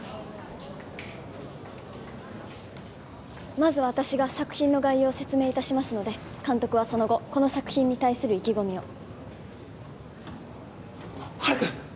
まず私が作品の概要を説明いたしますので監督はその後この作品に対する意気込みをハルくん！